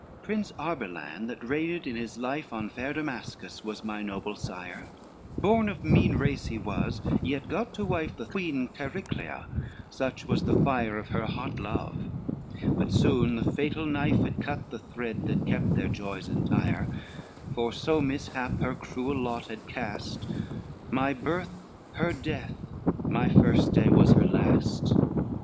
XLIII "Prince Arbilan that reigned in his life On fair Damascus, was my noble sire, Born of mean race he was, yet got to wife The Queen Chariclia, such was the fire Of her hot love, but soon the fatal knife Had cut the thread that kept their joys entire, For so mishap her cruel lot had cast, My birth, her death; my first day, was her last.